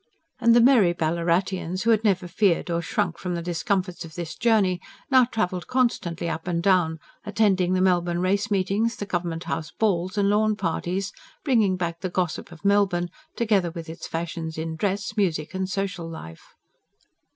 And the merry Ballaratians, who had never feared or shrunk from the discomforts of this journey, now travelled constantly up and down: attending the Melbourne race meetings; the Government House balls and lawn parties; bringing back the gossip of Melbourne, together with its fashions in dress, music and social life.